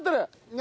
何？